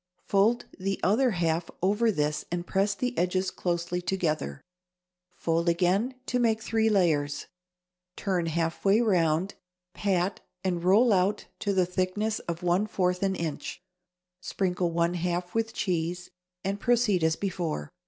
Fold the other half over this and press the edges together closely. Fold again to make three layers, turn half way round, pat and roll out to the thickness of one fourth an inch. Sprinkle one half with cheese and proceed as before.